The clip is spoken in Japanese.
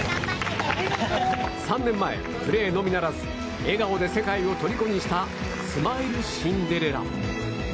３年前、プレーのみならず笑顔で世界をとりこにしたスマイルシンデレラ。